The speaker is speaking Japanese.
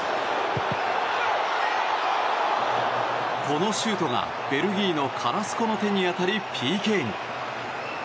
このシュートがベルギーのカラスコの手に当たりＰＫに。